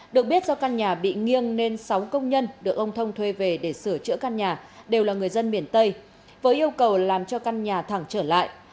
được biết do căn nhà bị nghiêng nên sáu công nhân được ông thông thuê về để sửa chữa căn nhà đều là người dân miền tây với yêu cầu làm cho căn nhà thẳng trở lại